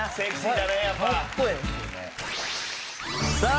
さあ